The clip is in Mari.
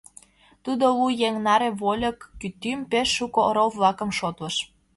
Тудо лу еҥ наре вольык кӱтӱм, пеш шуко орол-влакым шотлыш.